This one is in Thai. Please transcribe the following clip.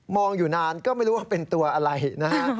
อยู่นานก็ไม่รู้ว่าเป็นตัวอะไรนะฮะ